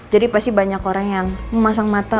jadi pasti banyak orang yang memasang mata